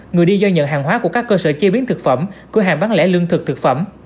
người đi giao nhận hàng hóa của các cơ sở chế biến thực phẩm cửa hàng bán lẻ lương thực thực phẩm